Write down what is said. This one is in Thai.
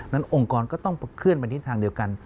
อย่างงี้องค์กรทอก็ต้องไปทิ้งทางเดียวกัน